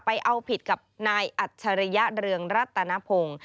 ไปเอาผิดกับนายอัชริยเรืองรัตนพง